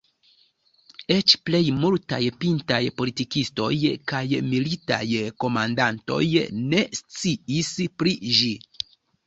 Eĉ plej multaj pintaj politikistoj kaj militaj komandantoj ne sciis pri ĝi.